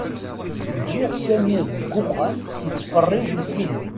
Ǧǧiɣ Samir deg uxxam yettfeṛṛiǧ lfilm.